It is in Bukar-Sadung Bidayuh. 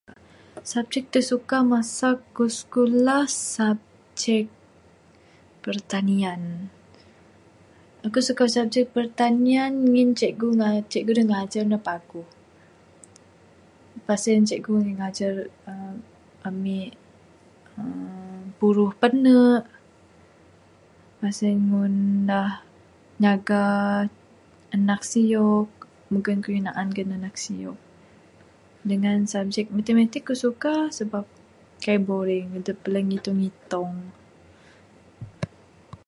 Subjek da suka masa kuk skulah subjek pertanian. Aku suka subjek pertanian ngin cikgu ngajar, cikgu da ngajar ne paguh. Lepas sien cikgu mik ngajar ami uhh purut panu', meh sien ngundah nyaga anak siyok, mugon kayuh naan gon anak siyok. Dengan subjek matematik kuk suka sebab kai boring. Adup buleh ngitong ngitong.